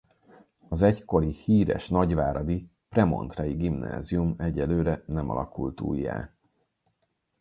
Az egykori híres nagyváradi Premontrei Gimnázium egyelőre nem alakult újjá.